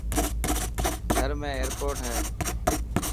ٿر ۾ ايرپوٽ هي.